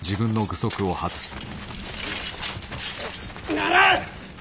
ならん！